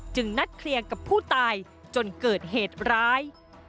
นัดเคลียร์กับผู้ตายจนเกิดเหตุร้าย